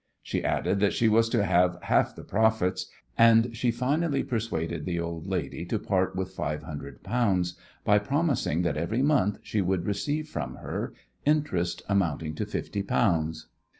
She added that she was to have half the profits, and she finally persuaded the old lady to part with five hundred pounds by promising that every month she would receive from her interest amounting to fifty pounds!